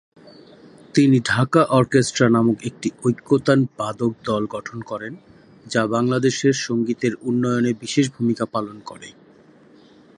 তিনি 'ঢাকা অর্কেস্ট্রা' নামক একটি ঐকতান-বাদকদল গঠন করেন, যা বাংলাদেশের সঙ্গীতের উন্নয়নে বিশেষ ভূমিকা পালন করে।